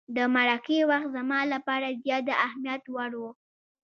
د مرکې وخت زما لپاره زیات د اهمیت وړ وو.